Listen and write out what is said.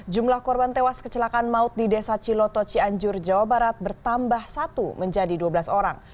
jumlah korban tewas kecelakaan maut di desa ciloto cianjur jawa barat bertambah satu menjadi dua belas orang